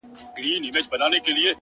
• اوس مي د كلي ماسومان ځوروي ـ